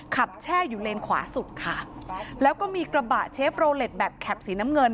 แช่อยู่เลนขวาสุดค่ะแล้วก็มีกระบะเชฟโรเล็ตแบบแคปสีน้ำเงิน